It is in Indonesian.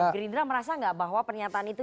gerindra merasa nggak bahwa pernyataan itu